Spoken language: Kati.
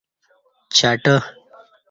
چَٹہ